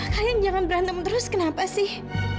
kalian jangan berantem terus kenapa sih